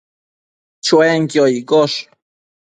Chuenquio iccosh